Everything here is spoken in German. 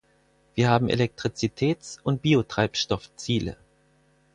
Wir haben Elektrizitäts- und Biotreibstoffziele.